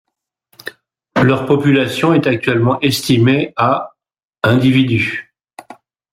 Leur population est actuellement estimée à individus.